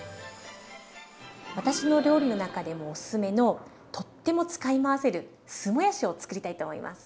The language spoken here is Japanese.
私の料理の中でもおすすめのとっても使い回せる酢もやしをつくりたいと思います。